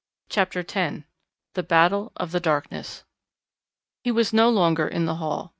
CHAPTER X THE BATTLE OF THE DARKNESS He was no longer in the hall.